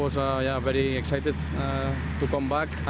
saya sangat teruja untuk kembali